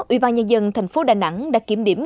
ủy ban nhân dân thành phố đà nẵng đã kiểm điểm